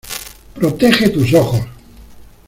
¡ Protege tus ojos!